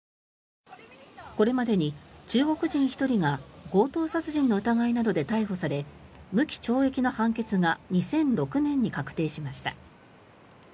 これまでに中国人１人が強盗殺人の疑いなどで逮捕され無期懲役の判決が２００６年に確定しました。